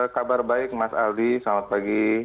kabar baik mas aldi selamat pagi